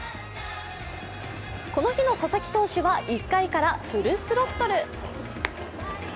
この日の佐々木投手は１回からフルスロットル。